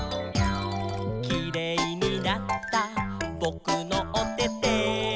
「キレイになったぼくのおてて」